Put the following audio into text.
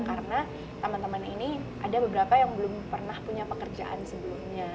karena teman teman ini ada beberapa yang belum pernah punya pekerjaan sebelumnya